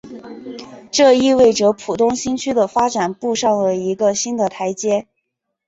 这意味着浦东新区的发展步上了一个新的台阶。